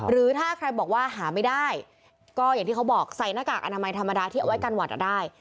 หรือถ้าใครบอกว่าหาไม่ได้ก็อย่างที่เขาบอกใส่หน้ากากอนามัยธรรมดาที่เอาไว้กันหวัดได้